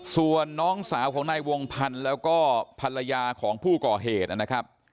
ส่วนน้องสาวของนายวงพันธ์แล้วก็ภรรยาของผู้ก่อเหตุนะครับ